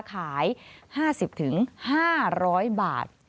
ขาย๕๐๕๐๐บาท